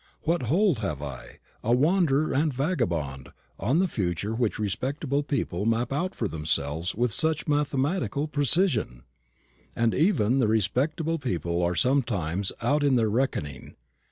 What hold have I, a wanderer and vagabond, on the future which respectable people map out for themselves with such mathematical precision? And even the respectable people are sometimes out in their reckoning.